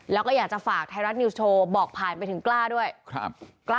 แล้วก็อยากจะฝากไทยรัฐนิวส์โชว์บอกผ่านไปถึงกล้าด้วย